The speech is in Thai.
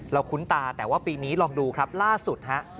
คุ้นตาแต่ว่าปีนี้ลองดูครับล่าสุดฮะ